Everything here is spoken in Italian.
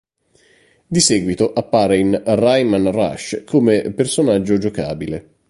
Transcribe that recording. Di seguito appare in "Rayman Rush" come personaggio giocabile.